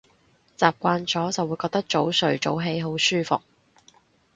習慣咗就會覺得早睡早起好舒服